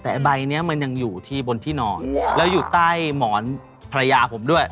แต่ใบเนี้ยมันยังอยู่ที่บนที่นอนแล้วอยู่ใต้หมอนภรรยาผมด้วย